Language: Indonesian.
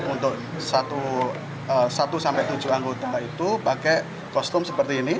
untuk satu sampai tujuh anggota itu pakai kostum seperti ini